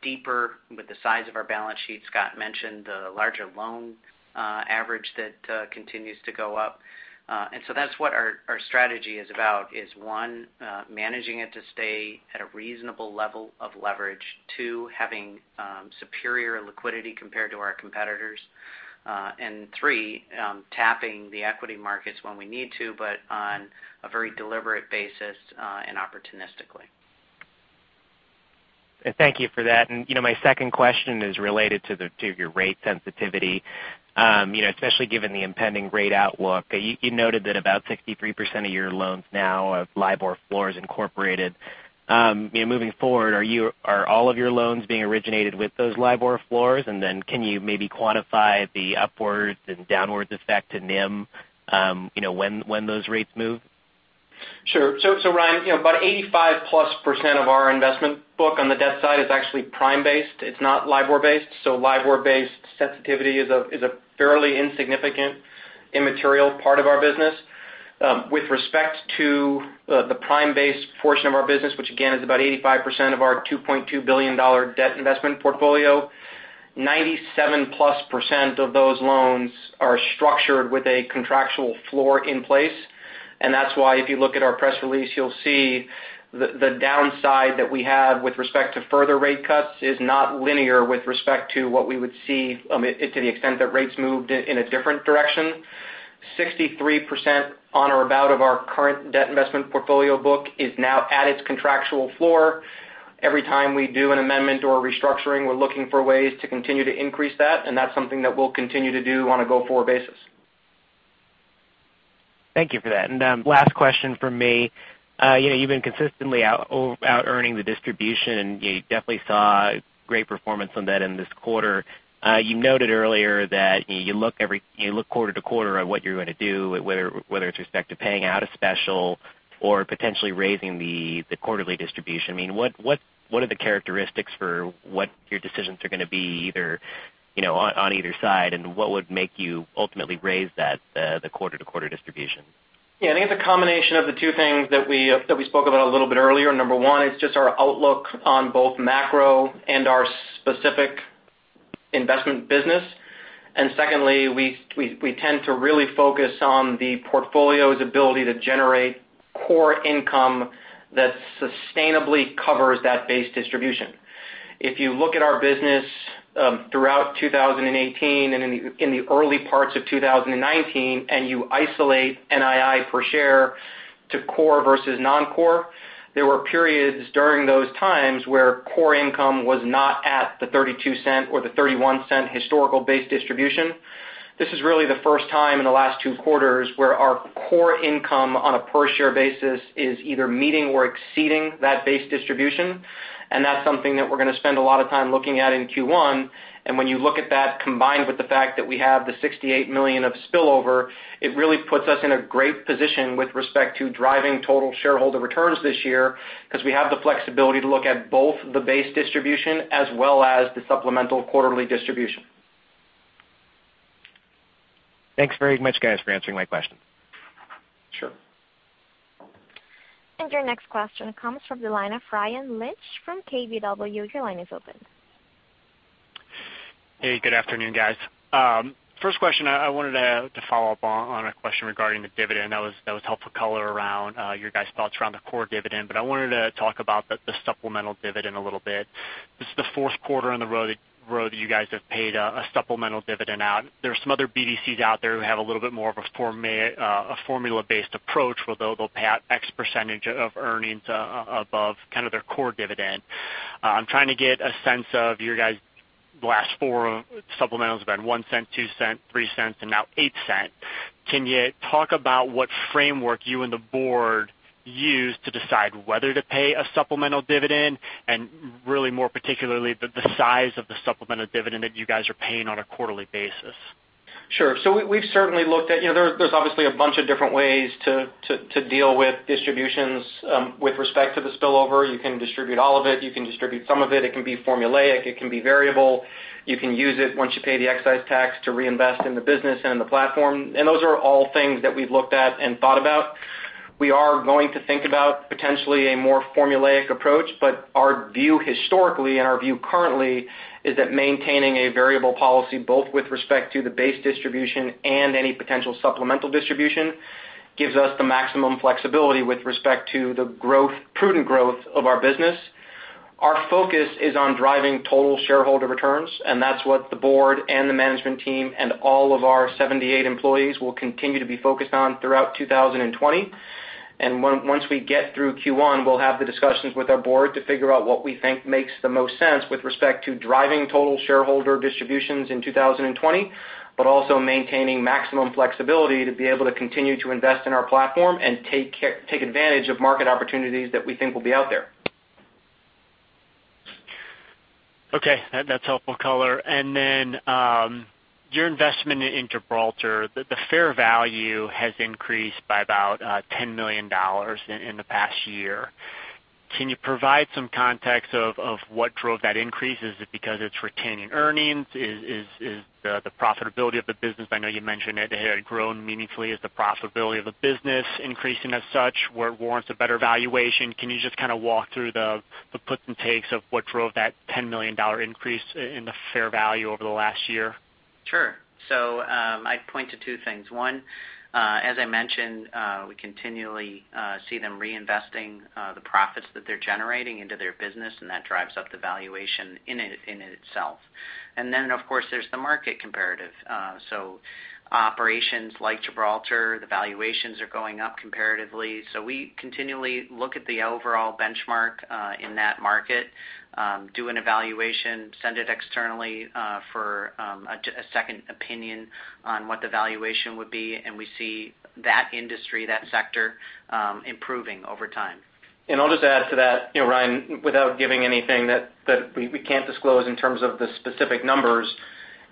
C: deeper with the size of our balance sheet. Scott mentioned the larger loan average that continues to go up. That's what our strategy is about, is one, managing it to stay at a reasonable level of leverage. Two, having superior liquidity compared to our competitors, and three, tapping the equity markets when we need to, but on a very deliberate basis and opportunistically.
I: Thank you for that. My second question is related to your rate sensitivity, especially given the impending rate outlook. You noted that about 63% of your loans now have LIBOR floors incorporated. Moving forward, are all of your loans being originated with those LIBOR floors? Then can you maybe quantify the upwards and downwards effect to NIM, when those rates move?
C: Sure. Ryan, about 85%+ of our investment book on the debt side is actually prime-based. It's not LIBOR-based. LIBOR-based sensitivity is a fairly insignificant immaterial part of our business. With respect to the prime-based portion of our business, which again is about 85% of our $2.2 billion debt investment portfolio, 97%+ of those loans are structured with a contractual floor in place. That's why if you look at our press release, you'll see the downside that we have with respect to further rate cuts is not linear with respect to what we would see to the extent that rates moved in a different direction. 63% on or about of our current debt investment portfolio book is now at its contractual floor. Every time we do an amendment or restructuring, we're looking for ways to continue to increase that, and that's something that we'll continue to do on a go-forward basis.
I: Thank you for that. Last question from me. You've been consistently out earning the distribution, and you definitely saw great performance on that in this quarter. You noted earlier that you look quarter to quarter at what you're going to do, whether it's with respect to paying out a special or potentially raising the quarterly distribution. What are the characteristics for what your decisions are going to be on either side, and what would make you ultimately raise the quarter-to-quarter distribution?
C: Yeah. I think it's a combination of the two things that we spoke about a little bit earlier. Number one is just our outlook on both macro and our specific investment business. Secondly, we tend to really focus on the portfolio's ability to generate core income that sustainably covers that base distribution. If you look at our business throughout 2018 and in the early parts of 2019, and you isolate NII per share to core versus non-core, there were periods during those times where core income was not at the $0.32 or the $0.31 historical base distribution. This is really the first time in the last two quarters where our core income on a per share basis is either meeting or exceeding that base distribution. That's something that we're going to spend a lot of time looking at in Q1. When you look at that combined with the fact that we have the $68 million of spillover, it really puts us in a great position with respect to driving total shareholder returns this year because we have the flexibility to look at both the base distribution as well as the supplemental quarterly distribution.
I: Thanks very much, guys, for answering my question.
C: Sure.
A: Your next question comes from the line of Ryan Lynch from KBW. Your line is open.
J: Hey, good afternoon, guys. First question, I wanted to follow up on a question regarding the dividend. That was helpful color around your guys' thoughts around the core dividend, but I wanted to talk about the supplemental dividend a little bit. This is the 4th quarter in a row that you guys have paid a supplemental dividend out. There are some other BDCs out there who have a little bit more of a formula-based approach where they'll pay out X percentage of earnings above kind of their core dividend. I'm trying to get a sense of your guys' last four supplementals have been $0.01, $0.02, $0.03, and now $0.08. Can you talk about what framework you and the board use to decide whether to pay a supplemental dividend and really more particularly, the size of the supplemental dividend that you guys are paying on a quarterly basis?
C: Sure. There's obviously a bunch of different ways to deal with distributions with respect to the spillover. You can distribute all of it. You can distribute some of it. It can be formulaic. It can be variable. You can use it once you pay the excise tax to reinvest in the business and the platform. Those are all things that we've looked at and thought about. We are going to think about potentially a more formulaic approach, but our view historically and our view currently is that maintaining a variable policy, both with respect to the base distribution and any potential supplemental distribution, gives us the maximum flexibility with respect to the prudent growth of our business. Our focus is on driving total shareholder returns, and that's what the board and the management team and all of our 78 employees will continue to be focused on throughout 2020. Once we get through Q1, we'll have the discussions with our board to figure out what we think makes the most sense with respect to driving total shareholder distributions in 2020. Also maintaining maximum flexibility to be able to continue to invest in our platform and take advantage of market opportunities that we think will be out there.
J: Okay. That's helpful color. Your investment in Gibraltar, the fair value has increased by about $10 million in the past year. Can you provide some context of what drove that increase? Is it because it's retaining earnings? Is the profitability of the business, I know you mentioned it had grown meaningfully. Is the profitability of the business increasing as such where it warrants a better valuation? Can you just kind of walk through the puts and takes of what drove that $10 million increase in the fair value over the last year?
D: Sure. I point to two things. One, as I mentioned, we continually see them reinvesting the profits that they're generating into their business, That drives up the valuation in itself. Then, of course, there's the market comparative. Operations like Gibraltar, the valuations are going up comparatively. We continually look at the overall benchmark in that market, do an evaluation, send it externally for a second opinion on what the valuation would be, and we see that industry, that sector improving over time.
C: I'll just add to that, Ryan, without giving anything that we can't disclose in terms of the specific numbers.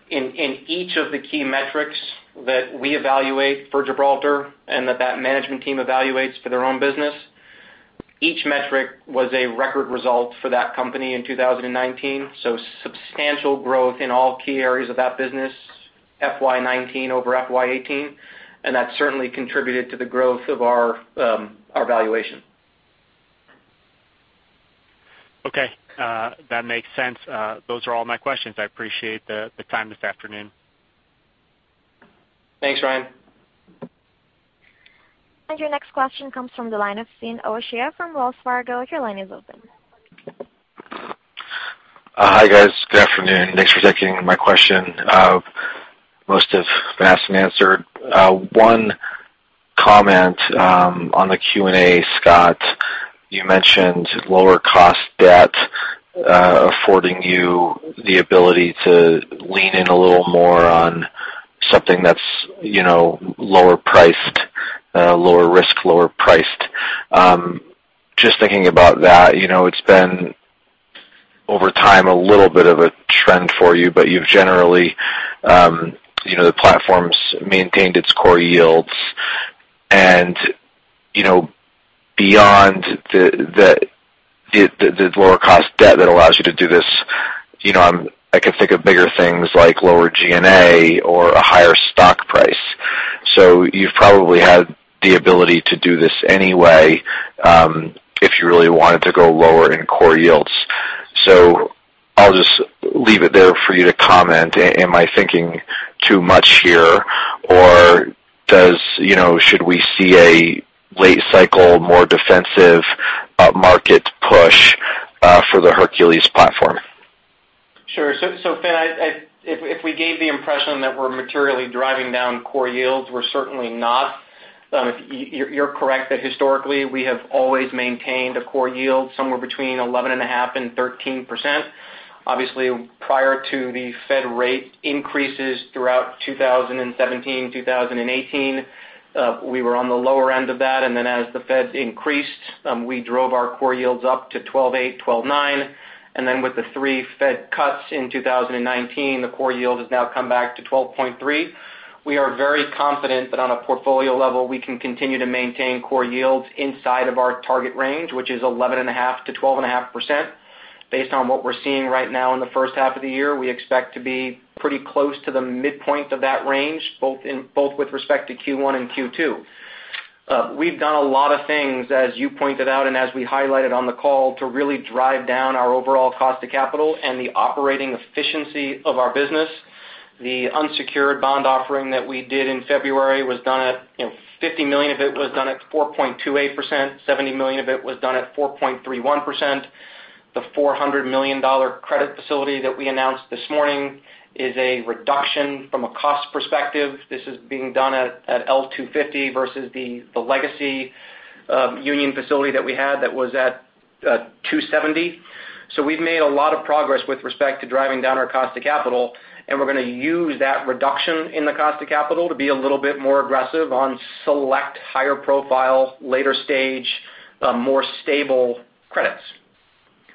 C: In each of the key metrics that we evaluate for Gibraltar and that that management team evaluates for their own business, each metric was a record result for that company in 2019. Substantial growth in all key areas of that business, FY 2019 over FY 2018, and that certainly contributed to the growth of our valuation.
J: Okay. That makes sense. Those are all my questions. I appreciate the time this afternoon.
C: Thanks, Ryan.
A: Your next question comes from the line of Finian O'Shea from Wells Fargo. Your line is open.
K: Hi, guys. Good afternoon. Thanks for taking my question. Most have been asked and answered. One comment on the Q&A, Scott. You mentioned lower cost debt affording you the ability to lean in a little more on something that's lower priced, lower risk, lower priced. Thinking about that, it's been, over time, a little bit of a trend for you. You've generally, the platform's maintained its core yields. Beyond the lower cost debt that allows you to do this, I can think of bigger things like lower G&A or a higher stock price. You've probably had the ability to do this anyway, if you really wanted to go lower in core yields. I'll just leave it there for you to comment. Am I thinking too much here, or should we see a late cycle, more defensive market push for the Hercules platform?
C: Sure. Finn, if we gave the impression that we're materially driving down core yields, we're certainly not. You're correct that historically we have always maintained a core yield somewhere between 11.5%-13%. Obviously, prior to the Fed rate increases throughout 2017, 2018, we were on the lower end of that. As the Feds increased, we drove our core yields up to 12.8%, 12.9%. With the three Fed cuts in 2019, the core yield has now come back to 12.3%. We are very confident that on a portfolio level, we can continue to maintain core yields inside of our target range, which is 11.5%-12.5%. Based on what we're seeing right now in the first half of the year, we expect to be pretty close to the midpoint of that range, both with respect to Q1 and Q2. We've done a lot of things, as you pointed out and as we highlighted on the call, to really drive down our overall cost of capital and the operating efficiency of our business. The unsecured bond offering that we did in February, $50 million of it was done at 4.28%, $70 million of it was done at 4.31%. The $400 million credit facility that we announced this morning is a reduction from a cost perspective. This is being done at L 250 versus the legacy Union Bank facility that we had that was at 270. We've made a lot of progress with respect to driving down our cost of capital, and we're going to use that reduction in the cost of capital to be a little bit more aggressive on select higher profile, later stage, more stable credits.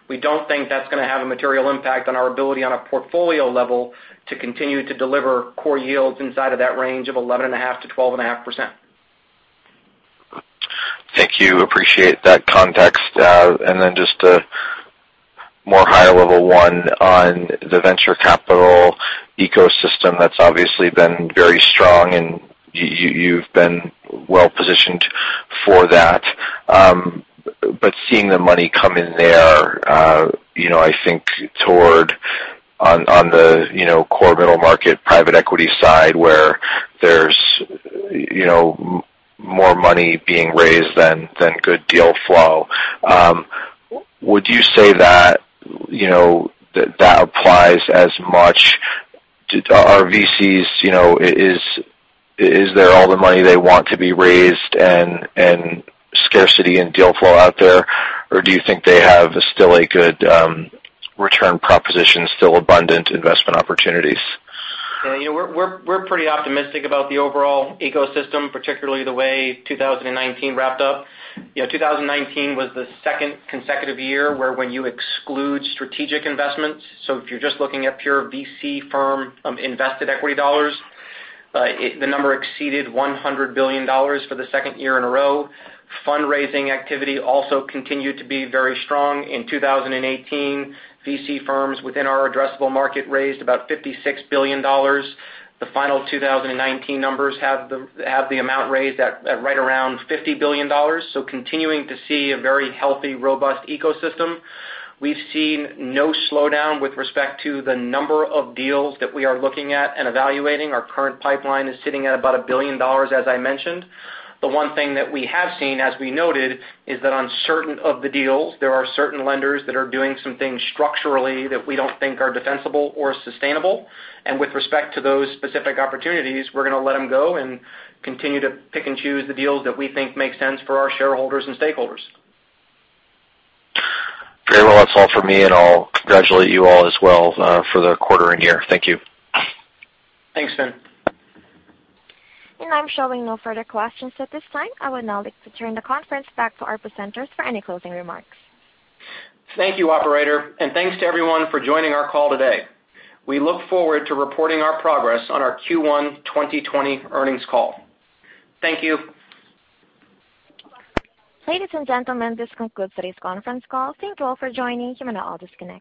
C: We don't think that's going to have a material impact on our ability on a portfolio level to continue to deliver core yields inside of that range of 11.5%-12.5%.
K: Thank you. Appreciate that context. Just a more high level one on the venture capital ecosystem that's obviously been very strong and you've been well-positioned for that. Seeing the money come in there, I think toward on the core middle market private equity side where there's more money being raised than good deal flow. Would you say that applies as much to our VCs? Is there all the money they want to be raised and scarcity in deal flow out there or do you think they have still a good return proposition, still abundant investment opportunities?
C: Yeah. We're pretty optimistic about the overall ecosystem, particularly the way 2019 wrapped up. 2019 was the second consecutive year where when you exclude strategic investments, if you're just looking at pure VC firm invested equity dollars, the number exceeded $100 billion for the second year in a row. Fundraising activity also continued to be very strong. In 2018, VC firms within our addressable market raised about $56 billion. The final 2019 numbers have the amount raised at right around $50 billion. Continuing to see a very healthy, robust ecosystem. We've seen no slowdown with respect to the number of deals that we are looking at and evaluating. Our current pipeline is sitting at about $1 billion, as I mentioned. The one thing that we have seen, as we noted, is that on certain of the deals, there are certain lenders that are doing some things structurally that we don't think are defensible or sustainable. With respect to those specific opportunities, we're going to let them go and continue to pick and choose the deals that we think make sense for our shareholders and stakeholders.
K: Very well. That's all for me. I'll congratulate you all as well for the quarter and year. Thank you.
C: Thanks, Finn.
A: I'm showing no further questions at this time. I would now like to turn the conference back to our presenters for any closing remarks.
C: Thank you, operator, and thanks to everyone for joining our call today. We look forward to reporting our progress on our Q1 2020 earnings call. Thank you.
A: Ladies and gentlemen, this concludes today's conference call. Thank you all for joining. You may now all disconnect.